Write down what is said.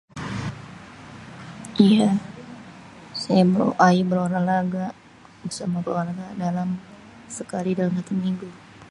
iya ayè berolahraga bersama keluarga dalam sekali dalam satu minggu..